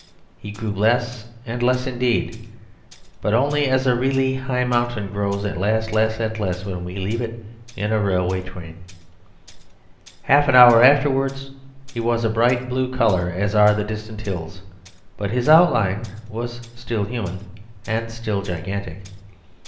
He grew less and less indeed; but only as a really high mountain grows at last less and less when we leave it in a railway train. Half an hour afterwards he was a bright blue colour, as are the distant hills; but his outline was still human and still gigantic.